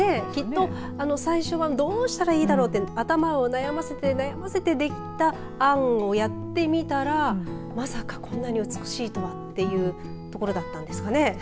きっと最初はどうしたらいいだろうと頭を悩ませて悩ませてできた案をやってみたらまさかこんなに美しいとはというところだったんですかね。